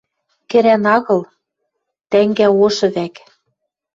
Кӹрӓн агыл, тӓнгӓ ошы вӓк.